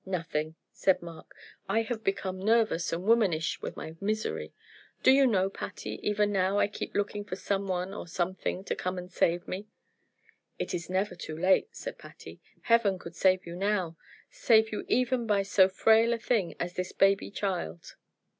"Nothing!" said Mark. "I have become nervous and womanish with my misery. Do you know, Patty, even now I keep looking for some one or something to come and save me." "It is never too late," said Patty. "Heaven could save you now save you even by so frail a thing as this baby child."